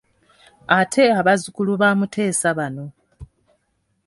Ate abazzukulu ba Muteesa bano.